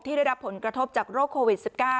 ได้รับผลกระทบจากโรคโควิด๑๙